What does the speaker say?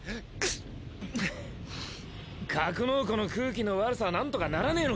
ズズッ格納庫の空気の悪さはなんとかならねぇのか？